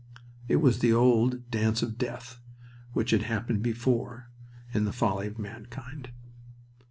It was the old Dance of Death which has happened before in the folly of mankind.